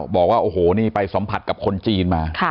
บอกว่าโอ้โหนี่ไปสัมผัสกับคนจีนมา